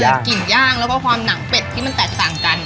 กลิ่นย่างแล้วก็ความหนังเป็ดที่มันแตกต่างกัน